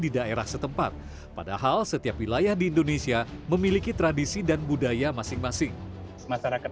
di daerah setempat padahal setiap wilayah di indonesia memiliki tradisi dan budaya masing masing masyarakat